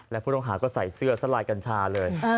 และผู้ต้องหาก็ใส่เสื้อสลายกัญชาเลย